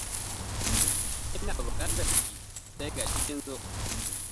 Ina bukatar ki, sai gashi kin zo.